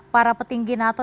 para petinggi nato